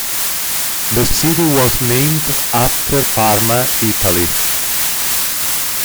The city was named after Parma, Italy.